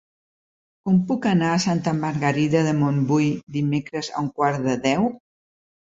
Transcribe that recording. Com puc anar a Santa Margarida de Montbui dimecres a un quart de deu?